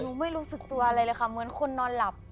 ไม่รู้สึกตัวอะไรเลยค่ะเหมือนคนนอนหลับ